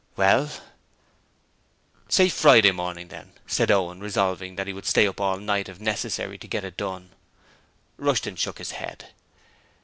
'Well, say Friday morning, then,' said Owen, resolving that he would stay up all night if necessary to get it done. Rushton shook his head.